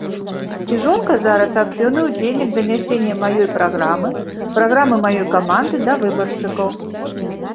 І жонка зараз актыўны ўдзельнік данясення маёй праграмы, праграмы маёй каманды да выбаршчыкаў.